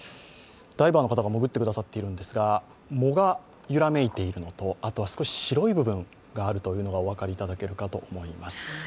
ダイバーの方が潜ってくださっているんですが、もが揺らめいているのと、白い部分があるのがお分かりいただけると思います。